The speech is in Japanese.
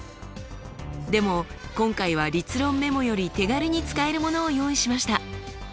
でも今回は立論メモより手軽に使えるものを用意しました。